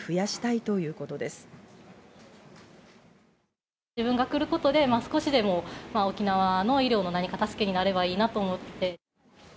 自分が来ることで、少しでも沖縄の医療の何か助けになればいいなと思って。